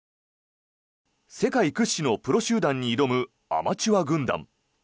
世界屈指のプロ集団に挑むアマチュア軍団。